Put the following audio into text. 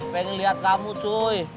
pengen lihat kamu cuy